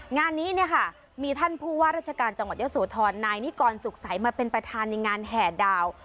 งานนี้เนี่ยค่ะมีท่านผู้ว่าราชการจังหวัดเยอะโสธรนายนิกรสุขใสมาเป็นประธานในงานแห่ดาว